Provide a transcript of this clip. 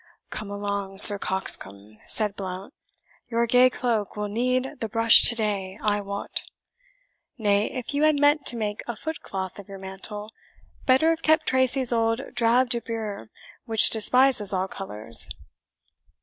"Come along, Sir Coxcomb," said Blount; "your gay cloak will need the brush to day, I wot. Nay, if you had meant to make a footcloth of your mantle, better have kept Tracy's old drab debure, which despises all colours."